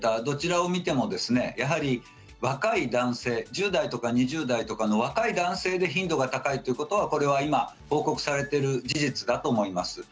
どちらを見てもやはり若い男性１０代２０代とかの若い男性で頻度が高いということは今、報告されている事実だと思います。